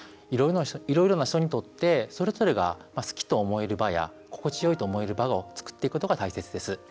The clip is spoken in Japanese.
いろいろな人にとってそれぞれが好きと思える場や心地よいと思える場を作っていくことが大切です。